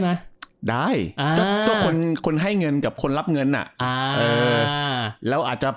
มาได้คนค้นมีความให้เงินกับคนรับเงินนะเออแล้วจะ